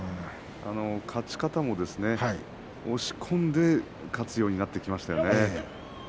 勝ち方もですね押し込んで勝つようになってきましたね。